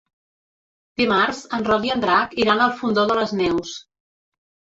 Dimarts en Roc i en Drac iran al Fondó de les Neus.